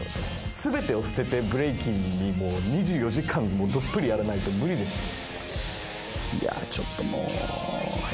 すべてを捨ててブレイキンに２４時間どっぷりやらないとムリですよね。